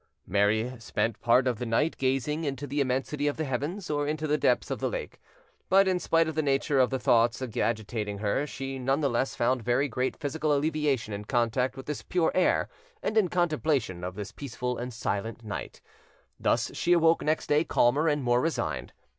Mary spent part of the night gazing into the immensity of the heavens, or into the depths of the lake; but in spite of the nature of the thoughts agitating her, she none the less found very great physical alleviation in contact with this pure air and in contemplation of this peaceful and silent night: thus she awoke next day calmer and more resigned.